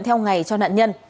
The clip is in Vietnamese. theo ngày cho nạn nhân